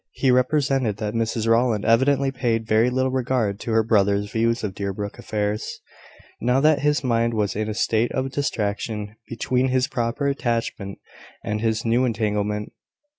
He represented that Mrs Rowland evidently paid very little regard to her brother's views of Deerbrook affairs, now that his mind was in a state of distraction between his proper attachment and his new entanglement.